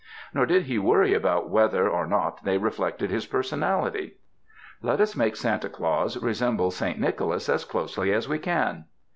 Nor did he worry about whether or not they reflected his personality. Let us make Santa Claus resemble Saint Nicholas as closely as we can.